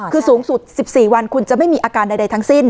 คือสูงสุด๑๔วันคุณจะไม่มีอาการใดทั้งสิ้น